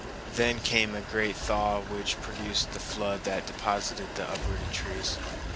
Then came a great thaw, which produced the flood that deposited the uprooted trees.